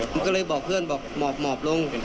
ผมก็เลยบอกเพื่อนบอกหมอบลง